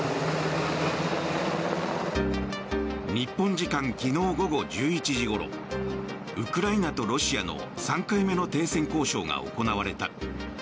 日本時間昨日午後１１時ごろウクライナとロシアの３回目の停戦交渉が行われた。